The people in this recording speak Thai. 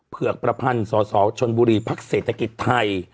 เผือกประพันธ์สสชนบุรีพักเศรษฐกิจไทย